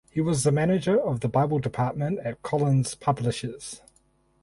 He was the manager of the bible department at Collins Publishers.